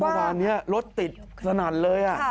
เมื่อวานนี้รถติดสนั่นเลย